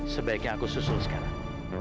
sebaiknya aku susul sekarang